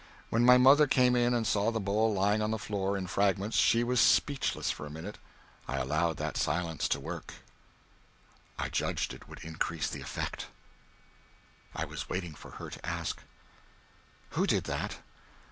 When my mother came in and saw the bowl lying on the floor in fragments, she was speechless for a minute. I allowed that silence to work; I judged it would increase the effect. I was waiting for her to ask "Who did that?"